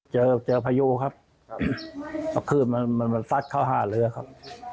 เจอพายุครับคือมันซัดข้าวห้าเหลือครับ